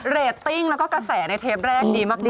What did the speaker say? เรตติ้งแล้วก็กระแสในเทปแรกดีมาก